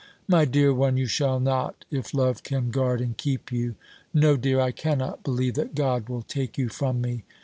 "My dear one, you shall not, if love can guard and keep you. No, dear, I cannot believe that God will take you from me.